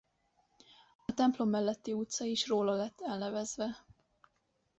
A templom melletti utca is róla lett elnevezve.